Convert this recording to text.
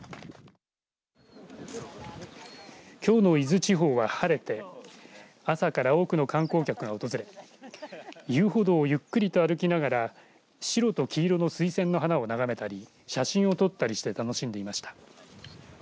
きょうの伊豆地方は晴れて朝から多くの観光客が訪れ遊歩道をゆっくり歩きながら白と黄色の水仙の花を眺めたり写真を撮ったりして楽しんでいました。